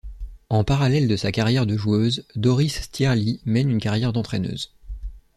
En parallèle de sa carrière de joueuse, Doris Stierli mène une carrière d'entraîneuse.